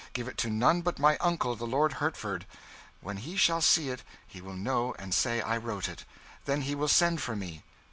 Give it to none but my uncle, the Lord Hertford; when he shall see it, he will know and say I wrote it. Then he will send for me."